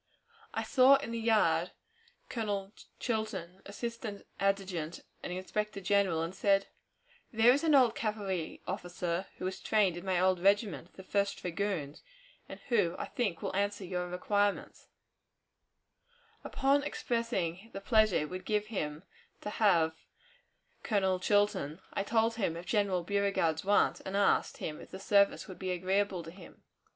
I saw in the yard Colonel Chilton, assistant adjutant and inspector general, and said, "There is an old cavalry officer who was trained in my old regiment, the First Dragoons, and who I think will answer your requirements," Upon his expressing the pleasure it would give him to have Colonel Chilton, I told him of General Beauregard's want, and asked him if the service would be agreeable to him.